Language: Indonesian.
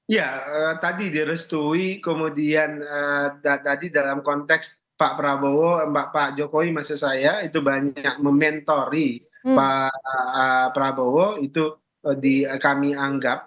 ya tadi direstui kemudian tadi dalam konteks pak prabowo pak jokowi maksud saya itu banyak mementori pak prabowo itu kami anggap